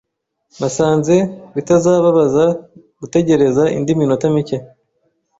Nasanze bitazababaza gutegereza indi minota mike.